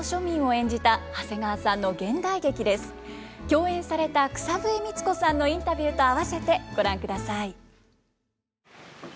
共演された草笛光子さんのインタビューとあわせてご覧ください。